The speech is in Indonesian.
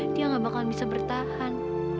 dia gak bakal bisa bertahan